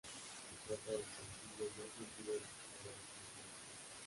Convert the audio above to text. Se trata del sencillo más vendido de su carrera como solista.